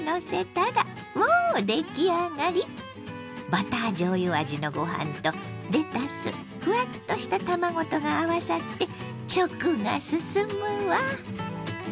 バターじょうゆ味のご飯とレタスふわっとした卵とが合わさって食が進むわ。